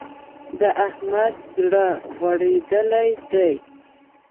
د احمد زړه غوړېدل دی.